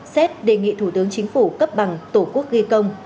xét đề nghị thủ tướng chính phủ cấp bằng tổ quốc ghi công